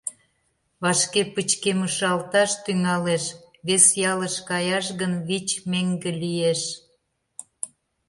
Вашке пычкемышалташ тӱҥалеш, вес ялыш каяш гын, вич меҥге лиеш.